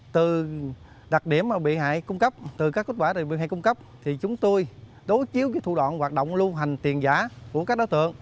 từ đặc điểm mà bị hại cung cấp từ các kết quả được hay cung cấp thì chúng tôi đối chiếu với thủ đoạn hoạt động lưu hành tiền giả của các đối tượng